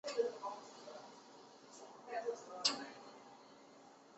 后来他为了逃避瘟疫而离开了高加索附近的故乡。